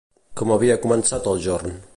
Com havia començat el jorn?